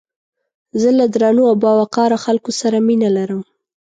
زه له درنو او باوقاره خلکو سره مينه لرم